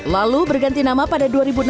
lalu berganti nama pada dua ribu enam belas